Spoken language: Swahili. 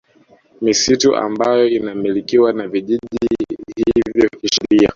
Misitu ambayo inamilikiwa na vijiji hivyo kisheria